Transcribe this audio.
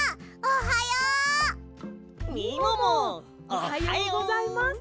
おはようございます。